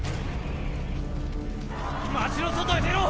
町の外へ出ろ！